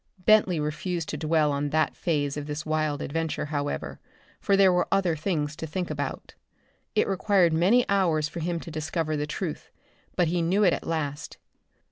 Bentley refused to dwell on that phase of this wild adventure however, for there were other things to think about. It required many hours for him to discover the truth, but he knew it at last.